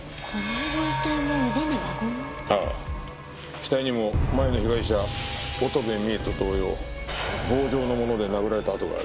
額にも前の被害者乙部美栄と同様棒状のもので殴られた痕がある。